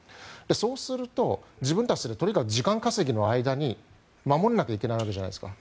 そうすると、自分たちでとにかく時間稼ぎの間に守らなきゃいけないわけじゃないですか。